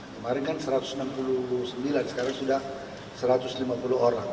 kemarin kan satu ratus enam puluh sembilan sekarang sudah satu ratus lima puluh orang